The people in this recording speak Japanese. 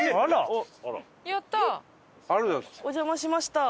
お邪魔しました。